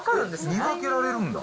見分けられるんだ？